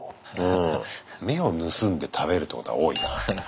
目を盗んで食べるってことが多いな。